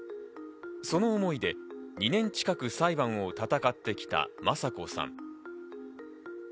その思いで、２年近く裁判を闘ってきた雅子さん。